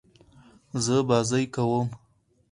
زه بازۍ کوم.